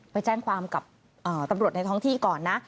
ไปแจ้งความกับตำรวจในท้องที่ก่อนนะ